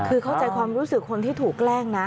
คือเข้าใจความรู้สึกคนที่ถูกแกล้งนะ